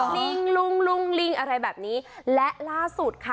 ลิงลุงลุงลิงอะไรแบบนี้และล่าสุดค่ะ